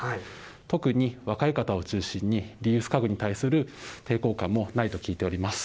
特に若い方を中心に、リース家具に対する抵抗感もないと聞いております。